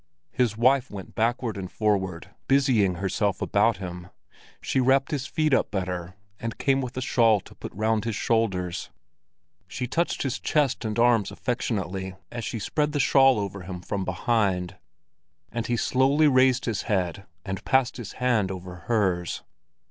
His wife went backward and forward, busying herself about him; she wrapped his feet up better, and came with a shawl to put round his shoulders. She touched his chest and arms affectionately as she spread the shawl over him from behind; and he slowly raised his head and passed his hand over hers.